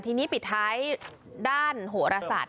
ทีนี้ปิดท้ายด้านโหรศาสตร์